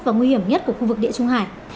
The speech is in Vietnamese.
và nguy hiểm nhất của khu vực địa trung hải